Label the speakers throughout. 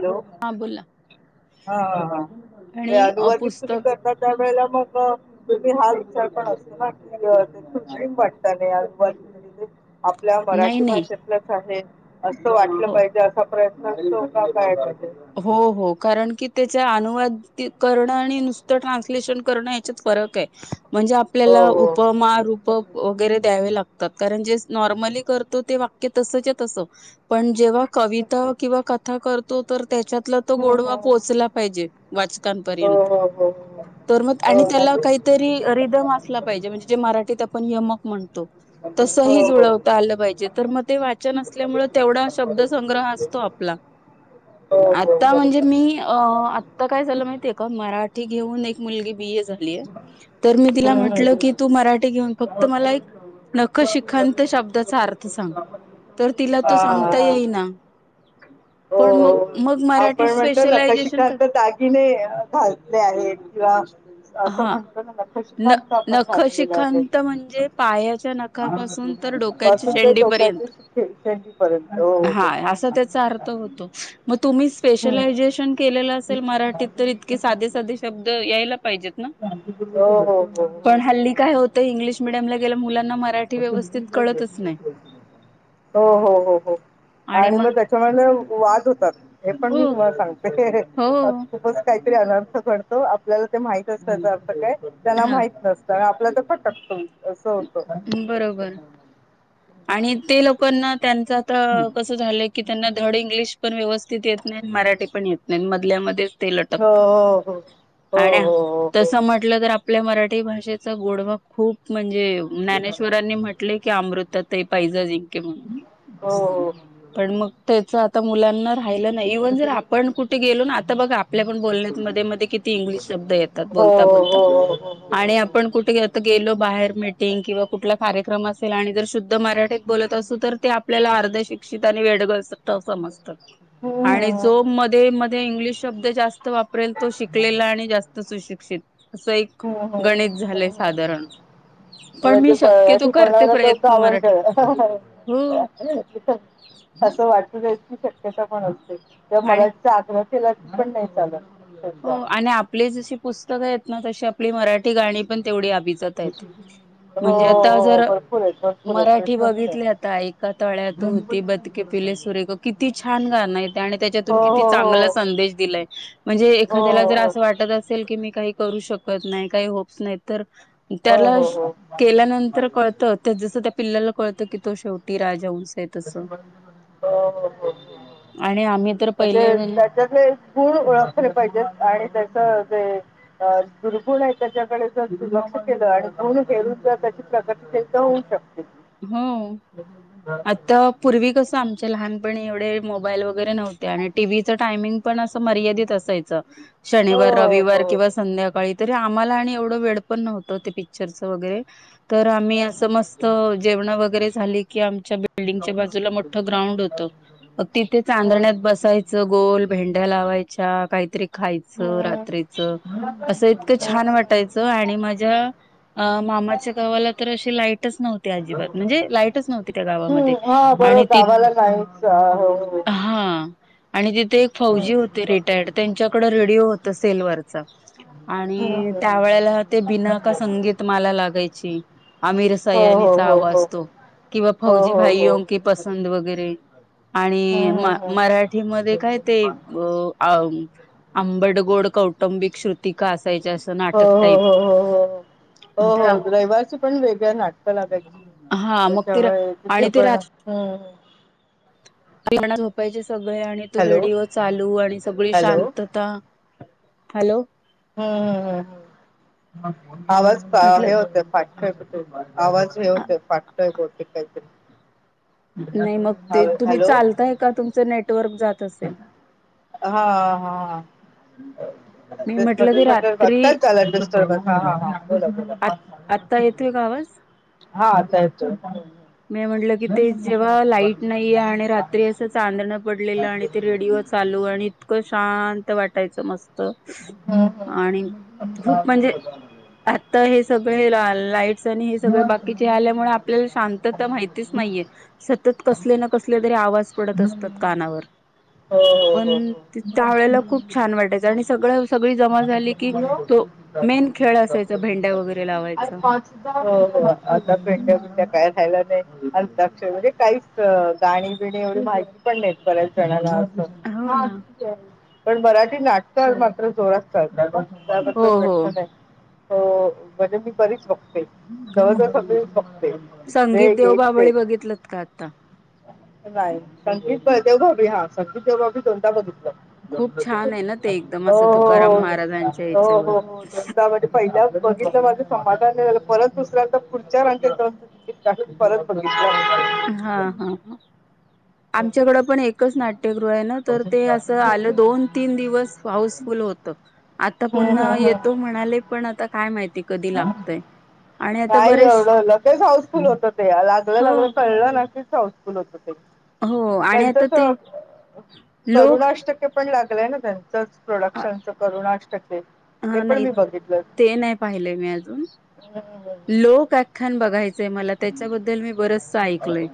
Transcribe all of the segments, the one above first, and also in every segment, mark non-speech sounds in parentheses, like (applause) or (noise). Speaker 1: Hello
Speaker 2: हा बोला
Speaker 1: हा हा हा
Speaker 2: आणि अ
Speaker 1: अनुवादी तुम्ही
Speaker 2: पुस्तक
Speaker 1: करता त्या वेळेला मग तुम्ही हा विचार पण अस ना की कुत्रीम वाटत
Speaker 2: हम्
Speaker 1: आपल्या मराठी भाषेतलंच आहे असं वाटलं
Speaker 2: हो.
Speaker 1: पाहिजे असा प्रयत्न असतो (inaudible)
Speaker 2: हो हो कारण की त्याचा अनुवाद करणं आणि नुसतं ट्रान्सलेशन करणं याच्यात फरक आहे म्हणजे
Speaker 1: हो
Speaker 2: आपल्याला
Speaker 1: हो
Speaker 2: उपमारूप वगैरे द्यावे लागत कारण जे नॉर्मली करतो ते वाक्य तस तस पण जेव्हा कविता किंवा कथा करतो तर त्याच्यात तो
Speaker 1: हम्म
Speaker 2: गोडवा
Speaker 1: हम्म
Speaker 2: पोहोचला पाहिजे वाचकांपर्यंत.
Speaker 1: हो हो हो
Speaker 2: तर मग
Speaker 1: हो
Speaker 2: आणि
Speaker 1: हो
Speaker 2: त्याला
Speaker 1: नाही
Speaker 2: काहीतरी रिदम असला पाहिजे म्हणजे जे मराठीत आपण यमक म्हणतो. तो. तसही
Speaker 1: हो हो
Speaker 2: जुळवता आलं पाहिजे तर मग ते वाचन असल्यामुळे तेवढा शब्द संंग्रह असतो आपला. (unintelligible) आता म्हणजे मी आता काय झालं माहितीये का मराठी घेऊन एक मुलगी बीए. झालीय तर मी तीला
Speaker 1: हम्म हम्म
Speaker 2: म्हटलं
Speaker 1: हम्म
Speaker 2: कि तू मराठी घेऊन फक्त मला एक नखशिकांत. शब्दाचा अर्थ सांग तर तिला
Speaker 1: हा
Speaker 2: तो
Speaker 1: हा
Speaker 2: सांगता येई
Speaker 1: हा
Speaker 2: ना
Speaker 1: हो
Speaker 2: पण
Speaker 1: हो
Speaker 2: मग. मग मराठी
Speaker 1: आपण म्हणतो
Speaker 2: स्पेशलायझेशन का
Speaker 1: नकोशिकांत दागिने घातले आहेत किंवा असं
Speaker 2: हा
Speaker 1: म्हणतो ना
Speaker 2: न
Speaker 1: नखशिखांत आपण घातलेलं आहे.
Speaker 2: नखशिखांत म्हणजे पायाच्या नखापासून. तर डोक्याच्या
Speaker 1: पासून ते
Speaker 2: शेंडी
Speaker 1: टोकाचे
Speaker 2: पर्यंत
Speaker 1: शेंडीपर्यंत हो हो हो.
Speaker 2: हा असा त्याचा अर्थ होतो.. मग तुम्ही
Speaker 1: हम्म.
Speaker 2: स्पेशलाझेशन केलेलं असेल, मराठीत तर इतके साधे साधे शब्द यायला.. पाहिजेत ना
Speaker 1: हो हो हो हो
Speaker 2: पण हल्ली
Speaker 1: हो.
Speaker 2: काय होतं, इंग्लिश मीडियम गेल, मुलाना मराठी व्यवस्थित.
Speaker 1: हो
Speaker 2: कळतच नाही.
Speaker 1: हो हो हो आणि मग त्याच्यामध्ये. वाद होतात हे पण मी
Speaker 2: हो
Speaker 1: तुम्हाला सांगते
Speaker 2: हो
Speaker 1: खूपच काही अनर्थतो आपल्याला ते माहित त्याचा अर्थ काय त्यांला
Speaker 2: हा
Speaker 1: माहित नसत. तर फटकतो असत (unintelligible)
Speaker 2: बरोबर आणि ते लोकांना.. त्यांच आता कसं झालंय, की त्यांना धड इंग्लिश पण व्यवस्थित येत नाही, मराठी पण येत नाही. मधल्यामध्येच ते लटकत,
Speaker 1: हो हो
Speaker 2: आणि
Speaker 1: हो
Speaker 2: तस म्हटलं तर आप आपल्या मराठी भाषेचा गोडवा खूप म्हणजे, ज्ञानेश्वरांनी म्हटले की अमृत. तर ते पाहिज जिंके म्हणून,
Speaker 1: हो हो
Speaker 2: पण मग त्याच आता मुलांना. पाहि नाही इव्हन जर आपण कुठे गेलो ना, आता बघ आपल्या पण बोलण्या म मध्ये किती इंग्लिश शब्द येतात ब बोलता बोलता
Speaker 1: हो हो हो हो हो हो हो हो
Speaker 2: आणि आपण कुठे आता गेलो. बाहेर मीटिंग किंवा कुठला कार्यक्रम असेल आणि जरध. मराठीत बोलत असू, तर ते आपल्याला अर्ध शिक्षित, आणि वेडग. समजतात
Speaker 1: हम्म
Speaker 2: आणि जो मध्ये मध्ये इंग्लिश शब्द जास्त. तो वापरेल तो शिकलेला, आणि जास्त सुशिक्षित. असं एक
Speaker 1: हम्म हम्म हम्म हम्म
Speaker 2: गणित झालंय,
Speaker 1: हम्म हम्म
Speaker 2: साधारण पण मी शक्य तो करते प्रयत्न. मराठी
Speaker 1: आवंडळ
Speaker 2: हो
Speaker 1: अस वाट शक्यता पण असते,
Speaker 2: आणि
Speaker 1: मराठीचा आग्रह केला, पण नाही चालत.
Speaker 2: हो
Speaker 1: त्यांचा.
Speaker 2: आणि आपली जशी पुस्तकं आहेत, ना तशी आपली मराठी गाणी पण तेवढी. दिसत आहेत
Speaker 1: हो
Speaker 2: म्हणजे,
Speaker 1: हो हो
Speaker 2: आता
Speaker 1: भरपूर आहेत भरपूर आहेत
Speaker 2: मराठी
Speaker 1: प्रश्नच नाही.
Speaker 2: बघितली आता एका तळ्यात. होती बतके पिले सुरेग किती छान गाणं येत आणि त्याच्यातून
Speaker 1: हो
Speaker 2: किती
Speaker 1: हो
Speaker 2: चांगला संदेश दिलाय. म्हणजे
Speaker 1: हो हो
Speaker 2: एखाद्याला जर
Speaker 1: हो हो.
Speaker 2: असं वाटत असेल, की मी काही करू शकत नाही काही होप्स नाही तर.
Speaker 1: हो
Speaker 2: त्याला
Speaker 1: हो
Speaker 2: केल्यानंतर कळत
Speaker 1: हो.
Speaker 2: त्या जसं त्या पिल्ल्याला कळत की तो शेवटी राजहंस.
Speaker 1: (unintelligible)
Speaker 2: आणि आम्ही तर
Speaker 1: म्हणजे
Speaker 2: पहिले
Speaker 1: त्याच्यातले गूर ओळखले पाहिजेत. आणि त्यास जे दुर्गुण आहे, त्याच्याकडे ज दुर्लक्ष केलं, आणि पण फेर. तशी प्रकार होऊ शकते
Speaker 2: हो आता पूर्वी कसं आमच. चे लहानपणी एवढे मोबाईल वगैरे नव्हते, आणि टी व्हीचं टायमिंग. पण असं मर्यादित असायच, शनिवार
Speaker 1: हो
Speaker 2: रविवार
Speaker 1: हो
Speaker 2: किंवा संध्याकाळी. तरी आम्हाला आणि एवढ वेळ पण नव्हतं, ते पिक्चरच वगैरे तर आम्ही असं मस्त. वगरे झाली की, आमच्या बिल्डिंगच्या बाजूला मोठं ग्राउंड होत. मग तिथे
Speaker 1: हम्म
Speaker 2: चांदण्यात बसायचं, गोल भेंड्या लावायच्या काहीतरी. खायचं
Speaker 1: हम्म
Speaker 2: रात्रीच असं, इतकं छान वाटायचं, आणि माझ्या अ. मामाच्या गावाला तर अे लाईटच नव्हते.. अजिबात म्हणजे लाईटच नव्हती, त्या
Speaker 1: हम्म
Speaker 2: गावामध्ये
Speaker 1: हा बरोबर
Speaker 2: आणि ती
Speaker 1: गावाला नाहीच हा, हो हो
Speaker 2: हा. आणि तिथे एक
Speaker 1: हम्म.
Speaker 2: फौजी होते, रिटायर्ड त्यांच्याकड रेडिओ होत सेलवर.
Speaker 1: हम्म
Speaker 2: आणि त्या वेळेला ते बिना का
Speaker 1: हम्म
Speaker 2: संगीत मला लागायची. आमिर
Speaker 1: हो, हो,
Speaker 2: सयानीचा
Speaker 1: हो, हो.
Speaker 2: आवाज, तो किंवा
Speaker 1: हो,
Speaker 2: फौजी
Speaker 1: हो,
Speaker 2: भाय
Speaker 1: हो.
Speaker 2: कि पसंत वगैरे. आणि
Speaker 1: हं, हं,
Speaker 2: म
Speaker 1: हं.
Speaker 2: मराठीमध्ये काय ते अ. आंबडगोड कौटुंबिक श्रुतिका अस
Speaker 1: हो हो हो हो हो हो
Speaker 2: तर
Speaker 1: हो रविवारच पण वेगळ्या नाटक ला्या
Speaker 2: हा मग ते
Speaker 1: त्याच्यामुळे तिथे
Speaker 2: आणि ते
Speaker 1: पण हम्म.
Speaker 2: प्रना झोपायचे सगळे, आणि तो रेडिओ चालू, आणि सगळी
Speaker 1: हॅलो.
Speaker 2: शांतता. हॅलो.
Speaker 1: हम्म हम् हम् आवाज फार हे
Speaker 2: म्हटलं
Speaker 1: होतय फाटतय आवाज हे
Speaker 2: आ
Speaker 1: होतय फाटतय बहूतेक काहीतरी
Speaker 2: नाही मग ते
Speaker 1: हॅलो,
Speaker 2: तुम्ही
Speaker 1: हॅलो.
Speaker 2: चालताय का तुमचं नेटवर्क जात असेल
Speaker 1: हा हा
Speaker 2: मी
Speaker 1: आभ्यास
Speaker 2: म्हटलं
Speaker 1: मध्ये
Speaker 2: की
Speaker 1: ज्याला बघतात
Speaker 2: रात्री
Speaker 1: त्याला डिस्टर्बन्स हा हा बोला बोला
Speaker 2: आ
Speaker 1: हा
Speaker 2: आत्ता
Speaker 1: ह
Speaker 2: येतोय का आवाज
Speaker 1: हा आता जेवणार आहे
Speaker 2: मी म्हटलं की ते जेव्हा लाईट नाही आहे आणि रात्री असं चांदणं पडलेलं आणि ते रेडिओ चालू आणि इतकं शांत वाटायचं मस्त ह.
Speaker 1: हम्म हम्म हम्म.
Speaker 2: आणि खूप म्हणजे आता हे सगळे लाल लाईट् आणि हे सगळ बाकीचे आल्यामुळे आपल्याला शांत तर ते माहितीच नाहीये सतत कसले न कसले तरी आवाज येत असत्यात कानावर
Speaker 1: हो हो हो
Speaker 2: पण
Speaker 1: हो.
Speaker 2: त.. त्यावळेला खूप छान वाटायचं आणि सगळं सगळी जमा झाली की तो मेन खेळ असायचा भेंड्या वगैरे
Speaker 1: अ
Speaker 2: लावायचा.
Speaker 1: पाच द्या. आता देणार
Speaker 2: हम्म
Speaker 1: का काय पहीला ना अंताक्षरी म्हणजे काहीच गाणी बिणी एवढी माहिती पण नव्हती बऱ्याच जणांना
Speaker 2: हो
Speaker 1: हा
Speaker 2: ना.
Speaker 1: ती मराठी नाटक मात्र जोरात चालतात हा
Speaker 2: हो
Speaker 1: बघायचा
Speaker 2: हो
Speaker 1: प्रश्नच नाहीत म्हणजे मी बरीच बघते बऱ्यापैकी सगळीच बघते जे
Speaker 2: संगीत
Speaker 1: येईल ते
Speaker 2: देवबाभळी बघितलंत का आता?
Speaker 1: नाही संगीत हा देवभाभी हा संगीत देवभाभी दोनदा बघितलं
Speaker 2: खूप छान आहे ना ते एकदम
Speaker 1: हो हो
Speaker 2: असं तुकाराम
Speaker 1: हो
Speaker 2: महाराजांच्या
Speaker 1: हो
Speaker 2: याच्यावर
Speaker 1: हो हो दोनदा म्हणजे पहिल्या बघितलं माझं समाधान नाही झालं परत दुसऱ्यांत पुढच्या राऊंडला परत बघितलं
Speaker 2: हा हा हा आमच्याकडे पण एकच नाट्य ग्रृह आहे तर अस आलं दोन तीन दिवस हाऊसफुल होत आता
Speaker 1: हम्म, हम्म,
Speaker 2: पुन्हा
Speaker 1: हम्म.
Speaker 2: येतो म्हणाले पण आता काय माहिती कधी लागतय आणि आता
Speaker 1: नाही
Speaker 2: बरेच
Speaker 1: एवढं लगेच हाऊसफुल होतं ते लागलं
Speaker 2: हो
Speaker 1: लागलं कळलं न की लगेच हाऊसफुल होतं
Speaker 2: हो आणि आता
Speaker 1: त्यांचच
Speaker 2: ते लोक
Speaker 1: करुणाष्टके पण लागलाय ना त्यांचच
Speaker 2: अ
Speaker 1: प्रोडक्शनचं करुणाष्टके ते
Speaker 2: हा
Speaker 1: पण
Speaker 2: नाही
Speaker 1: मी बघितलं
Speaker 2: ते नाही पाहिलंय मी अजून
Speaker 1: हम हम
Speaker 2: लोक व्याख्यान बघायचंय मला त्याच्याबद्दल मी बरस ऐकलय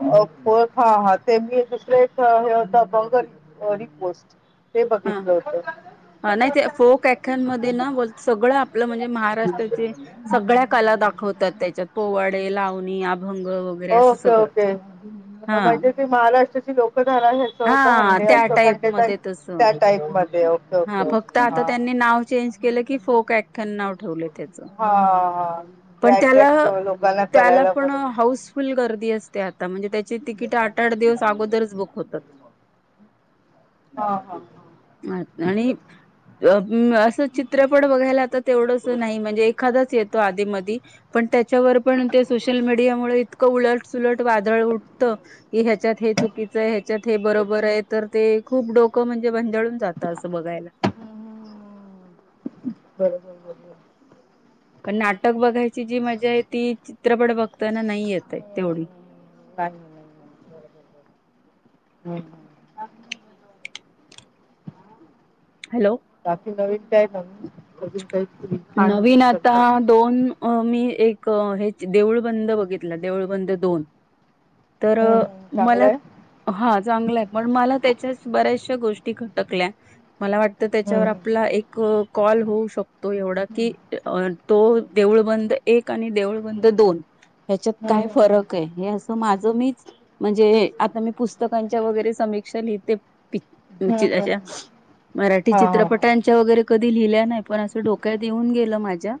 Speaker 1: अ हो हा हा ते मी दुसर एक हे होत कोणतं बीग पोस्ट ते
Speaker 2: हा
Speaker 1: बघितलं होत
Speaker 2: हा नाही ते फोक व्याख्यामध्ये ना व सगळं आपलं म्हणजे महाराष्ट्रा सगळ्या काल्पनि क दावतात त्याच्यात पोवाडे लावणी अ भंग वगैरे असं
Speaker 1: ओके
Speaker 2: सगळं
Speaker 1: ओके
Speaker 2: हा
Speaker 1: म्हणजे ती महाराष्ट्राची लोकधारा ह्याच होत
Speaker 2: हा
Speaker 1: हंडे
Speaker 2: त्या
Speaker 1: अशोक
Speaker 2: टाईप
Speaker 1: हंडे
Speaker 2: मध्ये तस
Speaker 1: त्या टाईप मध्ये ओके
Speaker 2: हा
Speaker 1: ओके
Speaker 2: फक्त
Speaker 1: ओके
Speaker 2: आता
Speaker 1: हा
Speaker 2: त्यांनी नाव चेंज केलं की फोक व्याख्यान नाव ठेवले त्याच
Speaker 1: हा हा ते
Speaker 2: पण त्याला
Speaker 1: अट्रॅक्ट लोकांना
Speaker 2: त्याला
Speaker 1: करायला
Speaker 2: पण
Speaker 1: बरोबर
Speaker 2: हाऊसफुल ग र्दी असते आता म्हणजे त्याची तिकिट आठ आठ दिवस अगोदरच बुक होतात
Speaker 1: हा हा
Speaker 2: आणि अ म अस चित्रपट बघायला आता तेवढंस नाही म्हणजे एखादाच येतो आधी मधी पण त्या च्या वर पण ते सोशल मीडियामुळे इत क उलट सुलट वादळ उठतं की ह्याच्यात हे चुकीचं ह्याच्यात ते बरोबर आहे तर ते खूप डोकं म्हणजे भंजाळून जातं असं बघायला
Speaker 1: बरोबर बरोबर
Speaker 2: पण नाटक बघायची जी मजा आहे ती चित्रपट बघताना नाही येत ते.. तेवढी
Speaker 1: हम् हम
Speaker 2: हॅलो
Speaker 1: बाकी नवीन काय म्हणतेस अजून काही लिखाण वगैरे
Speaker 2: नवीन आता
Speaker 1: करता?
Speaker 2: दोन मी एक हे देऊळ बंद बघितलं देऊळ बंद दोन तर
Speaker 1: हं, हं. चांगलं
Speaker 2: मला
Speaker 1: आहे.
Speaker 2: हा चांगलं आहे पण मला त्याच्या बऱ्याचशा गोष्टी खटकल्या मला वाटत त्याच्यावर
Speaker 1: हं,
Speaker 2: आपला एक कॉल होऊ शकतो तो एवढा की तो देऊळ बंद एक आणि देऊळ बंद दोन ह्याच्यात
Speaker 1: हं.
Speaker 2: काय
Speaker 1: हं,
Speaker 2: फरक आहे हे असं माझ जो मीच म्हणजे आता मी पुस्तकांच्या वगैरे समीक्षा लिहिते पी
Speaker 1: हं, हं. हं,
Speaker 2: चारच्या
Speaker 1: हं,
Speaker 2: अशा
Speaker 1: हं.
Speaker 2: मराठी
Speaker 1: हां, हां, हां.
Speaker 2: चित्रपटांच्या वगैरे कधी लिहिल्या नाही पण असं डोक्यात येऊन गेलं माझ्या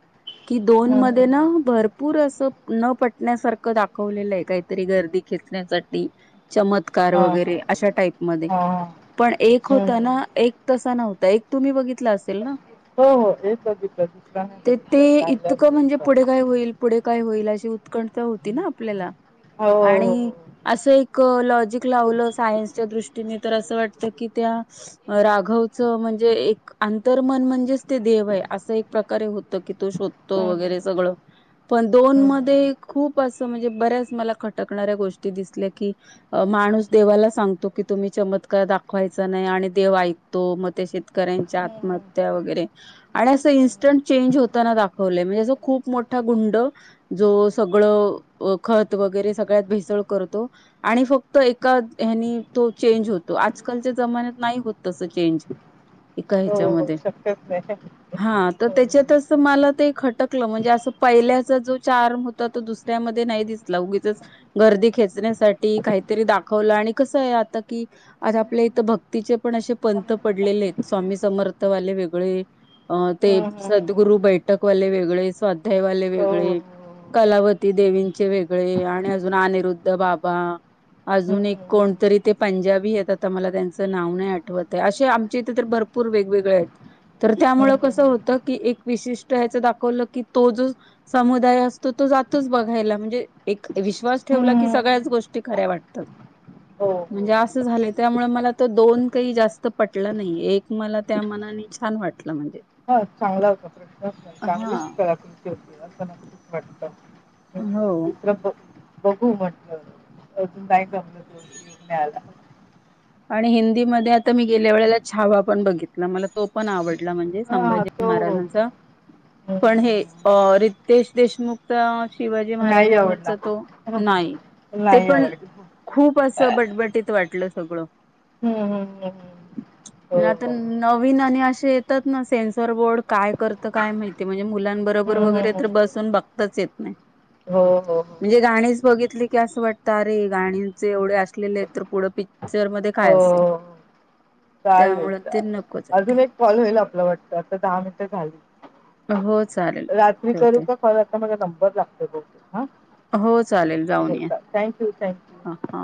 Speaker 2: की दोन
Speaker 1: हं,
Speaker 2: मध्ये
Speaker 1: हं,
Speaker 2: ना
Speaker 1: हं.
Speaker 2: भरपूर अस न पटण्यासारखं दाखवलेलं आहे काहीतरी गर्दी खेचण्यासाठी चमत्कार
Speaker 1: हां, हां.
Speaker 2: वगैरे अशा टाईपमध्ये
Speaker 1: हां, हां.
Speaker 2: पण एक
Speaker 1: हं,
Speaker 2: होता
Speaker 1: हं.
Speaker 2: ना एक तसा नव्हता एक तुम्ही बघितला असेल ना
Speaker 1: हो हो एक बघितला नाही
Speaker 2: ते ते
Speaker 1: राहिला
Speaker 2: इतकं म्हणजे पुढे
Speaker 1: दूरचा.
Speaker 2: काय होईल पुढे काय होईल अशी उत्कंठ होती ना आपल्याला
Speaker 1: हो, हो,
Speaker 2: आणि
Speaker 1: हो.
Speaker 2: अस एक लॉजिक लावलं सायन्सच्या दृष्टीने तर असं वाटतं की त्या राघवचं म्हणजे एक आंतर्मन म्हणजेच ते देव आहे असं एक प्रकारे होत की तो शोधतो
Speaker 1: हं,
Speaker 2: वगैरे
Speaker 1: हं.
Speaker 2: सगळं पण दोन
Speaker 1: हं, हं, हं.
Speaker 2: मध्ये खूप असं म्हणजे बर्याच मला खटणाऱ्या गोष्टी दिसल्या की माणूस देवाला सांगतो की तुम्ही चम तक दाखवायच नाही आणि देव ऐकतो मग ते शेतकऱ्यांच्या
Speaker 1: हं, हं.
Speaker 2: आत्महत्या वगैरे आणि असं इन्स्टंट चेंज होताना दाखवलंय म्हणजे असो खूप मोठा गुंड जो सगळं व खत वगैरे सगल्यात भेसळ करतो आणि फक्त एकच हेनी तो चेंज होतो होतो आजकालच्या जमान्यात नाही होत तस चेंज एका
Speaker 1: हो
Speaker 2: ह्याच्यामध्ये
Speaker 1: शक्यच नाही
Speaker 2: हा तर
Speaker 1: हं, हं.
Speaker 2: त्याच्यातच मला ते खट क म्हणजे अस पाहिलेच चार्म होता तो दुसऱ्यामध्ये नाही दिसला उगीचच गर्दी खेच ण्यासाठि काहीतरी दाखवलं आणि कसय आता की आ आपल्या इथ भक्तीचे पण असे पंंत पडलेलेत स्वामी समर्थवाले वेगळे अं ते
Speaker 1: हं, हं, हं.
Speaker 2: सद्गुरू बैठक वाले वेगळे स्वाध्याय वाले
Speaker 1: हो,
Speaker 2: वेगळे
Speaker 1: हो, हो, हो.
Speaker 2: कलावती देवींचे वेगळे आणि अजून अनिरुद्ध बाबा
Speaker 1: हं,
Speaker 2: अजून एक
Speaker 1: हं, हं.
Speaker 2: कोणतरी ते पंजाबी आहे आता मला त्यांचं नाव नाही आठवत आहे अे आमच्या इथे तर भरपुर पूर वेग वेगळे आहेत तर त्यामुळे
Speaker 1: हं, हं,
Speaker 2: कस
Speaker 1: हं.
Speaker 2: होत कि एक विशिष्ट या्याच दाखवलं की तो जो समुदाय असतो तो जातोच बघायला म्हणजे एक विश्वास ठेवला की
Speaker 1: हम्म.
Speaker 2: सगळ्याच गोष्टी खऱ्या वाटतात
Speaker 1: हो, हो,
Speaker 2: म्हणजे अस
Speaker 1: हो, हो.
Speaker 2: झालय त्यामुळे मला तर दोन काही जास्त पटलं नाही एक मला त्या मनाने छान वाटलं म्हणजे
Speaker 1: हा चांगला होता प्रश्नच नाही चांगलीच
Speaker 2: हा.
Speaker 1: कलाकृती होती असं खूप वाटत
Speaker 2: हो.
Speaker 1: हम् त बघू म्हटलं अजून काय जमलं ते न्याला
Speaker 2: आणि हिंदीमध्ये आता मी गेल्या वेळेला छावा पण बघितला मला तो पण आवडला म्हणजे
Speaker 1: हां,
Speaker 2: संभाजी
Speaker 1: तो
Speaker 2: महाराजांचा
Speaker 1: हं,
Speaker 2: पण
Speaker 1: हं.
Speaker 2: हे रितेश देशमुख शिवाजी
Speaker 1: नाही
Speaker 2: महाराजांवरचा
Speaker 1: आवडला.
Speaker 2: तो नाही ते
Speaker 1: नाही
Speaker 2: पण
Speaker 1: आवडला.
Speaker 2: खूप अस असं बटबटीत वाटलं सगळं
Speaker 1: हम्म हम्म हम्
Speaker 2: (unintelligible) आता नवीन आणि असे येतात ना सेन्सर बोर्ड काय करतं काय माहितीय म्हणजे मुलांबरोब
Speaker 1: हं,
Speaker 2: बरोबर
Speaker 1: हं,
Speaker 2: वगैरे तर
Speaker 1: हं.
Speaker 2: बसून बघताच येत नाही
Speaker 1: हो हो हो
Speaker 2: म्हणजे गाणीच बघितली की असं वाटतं अरे गाणीचे एवढे असलेले आहेत तर पुढं पिक्चरमध्येध्ये काय असेल
Speaker 1: हो. चालेल
Speaker 2: त्यामुळे ते
Speaker 1: चालेल
Speaker 2: नकोच
Speaker 1: अजून एक
Speaker 2: वाटते
Speaker 1: कॉल होईल आपलं वाटतं आता दहा मिनटं
Speaker 2: हो चालेल
Speaker 1: झाली रात्री करू
Speaker 2: ठेवते
Speaker 1: का आता माझा नंबर लागतो बगू
Speaker 2: हो चालेल जाऊन या
Speaker 1: थँक्यू थँक्यू
Speaker 2: ह हा